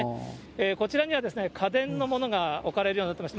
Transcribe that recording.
こちらには家電のものが置かれるようになっています。